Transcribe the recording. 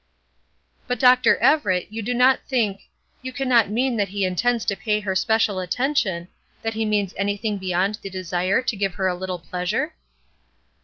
"But, Dr. Everett, you do not think, you cannot mean that he intends to pay her special attention; that he means anything beyond the desire to give her a little pleasure?"